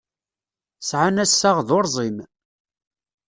Sɛan assaɣ d urẓim.